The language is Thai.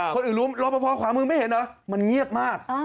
คนอื่นรู้รอปภขวามือไม่เห็นเหรอมันเงียบมาก